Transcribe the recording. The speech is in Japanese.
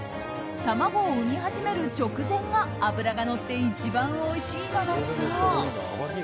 卵を産み始める直前が脂がのって一番おいしいのだそう。